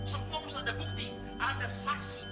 sempeng sudah bukti ada saksi